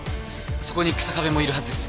そこに日下部もいるはずです。